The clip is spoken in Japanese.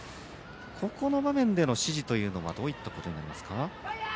ここの場面での指示はどういったことになりますか？